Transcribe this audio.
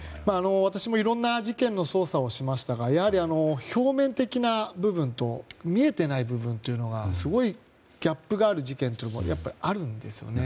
私もいろんな事件の捜査をしましたがやはり表面的な部分と見えていない部分というのがすごいギャップがある事件というのはあるんですよね。